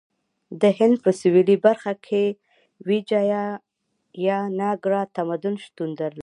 د هند په سویلي برخه کې ویجایاناګرا تمدن شتون درلود.